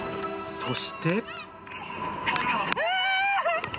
そして。